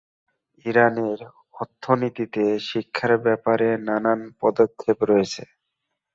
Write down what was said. ইরানের অর্থনীতিতে শিক্ষার ব্যাপারে নানান পদক্ষেপ রয়েছে।